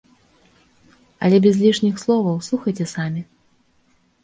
Але без лішніх словаў, слухайце самі!